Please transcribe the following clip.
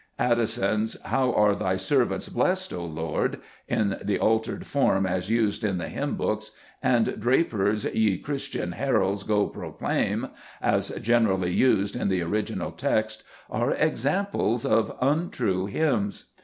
Addison's "How are Thy servants blessed, O Lord," (in the altered form as used in the hymn books) and Draper's "Ye Christian heralds, go proclaim " (as generally used, in the original text), are examples of untrue hymns.